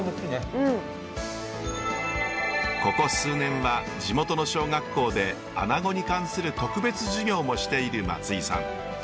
ここ数年は地元の小学校でアナゴに関する特別授業もしている松井さん。